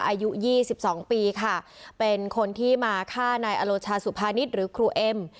อายุ๒๒ปีค่ะเป็นคนที่มาฆ่านายอโลชาสุภานิษฐ์หรือครูเอ็ม